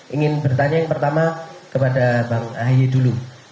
ingin bertanya yang pertama kepada bang ahi dulu